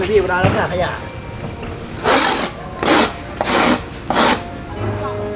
และที่เราต้องใช้เวลาในการปฏิบัติหน้าที่ระยะเวลาหนึ่งนะครับ